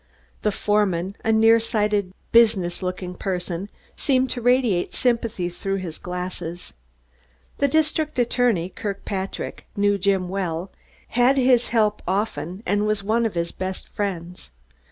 The foreman, a near sighted business looking person, seemed to radiate sympathy through his glasses. The district attorney, Kirkpatrick, knew Jim well, had his help often and was one of his best friends.